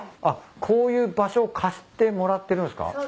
あっこういう場所を貸してもらってるんすか？